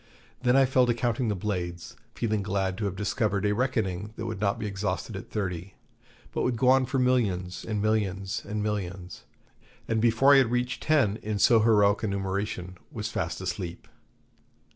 Then I fell to counting the blades, feeling glad to have discovered a reckoning that would not be exhausted at thirty, but would go on for millions, and millions, and millions; and before I had reached ten in so heroic a numeration was fast asleep.